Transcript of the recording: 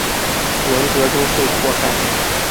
文革中受迫害。